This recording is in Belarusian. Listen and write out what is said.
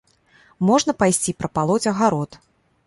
Можна пайсці прапалоць агарод.